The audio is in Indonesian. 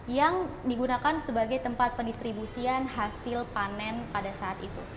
yang digunakan sebagai tempat pendistribusian hasil panen pada saat itu